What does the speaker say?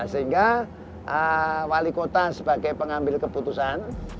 sehingga wali kota sebagai pengambil keputusan